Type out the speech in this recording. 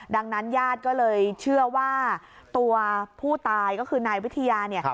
ดังนั้นญาติก็เลยเชื่อว่าตัวผู้ตายก็คือนายวิทยาเนี่ย